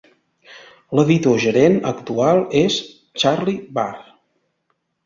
L'editor gerent actual és Charlie Bahr.